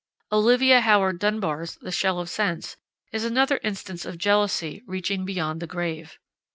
Olivia Howard Dunbar's The Shell of Sense is another instance of jealousy reaching beyond the grave.